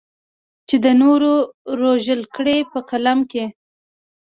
چې د نورو رژول کړې په قلم کې.